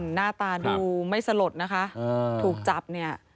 หน้าตาดูไม่สลดนะคะถูกจับเนี่ย